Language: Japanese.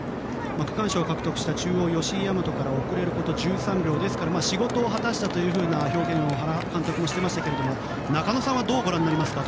区間賞を獲得した中央の吉居大和から遅れること１３秒仕事を果たしたという表現を原監督もしていましたけれども中野さんはどうご覧になりますか。